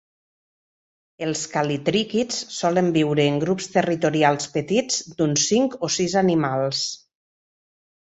Els cal·litríquids solen viure en grups territorials petits d"uns cinc o seis animals.